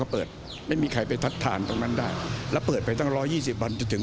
อาจารย์คำกันพระพิจารณ์ดูข้อเก่าค่ะของผู้ชมลงที่ดูเหมือนจะไร้แรง